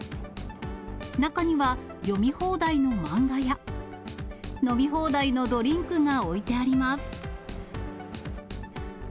中には、読み放題の漫画や、飲み放題のドリンクが置いてあります。